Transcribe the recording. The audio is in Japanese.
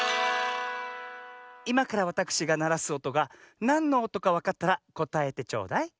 いまからわたくしがならすおとがなんのおとかわかったらこたえてちょうだい。